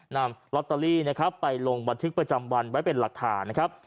นำลอตเตอรี่นะครับไปลงบันทึกประจำวันไว้เป็นหลักฐานนะครับ